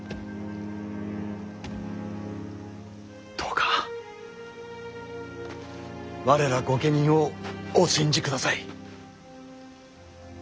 どうか我ら御家人をお信じください。